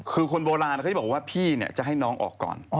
ตามโบราณเขาจะบอกว่าพี่เนี่ยจะให้น้องออกก่อน